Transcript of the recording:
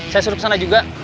saya suruh kesana juga